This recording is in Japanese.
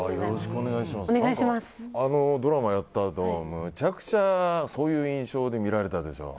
あのドラマやったあとむちゃくちゃそういう印象で見られたでしょ。